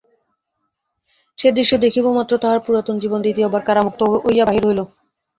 সেই দৃশ্য দেখিবামাত্র তাঁহার পুরাতন জীবন দ্বিতীয়বার কারামুক্ত হইয়া বাহির হইল।